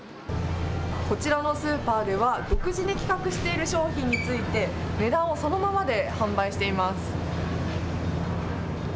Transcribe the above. こちらのスーパーでは、独自で企画している商品について、値段をそのままで販売しています。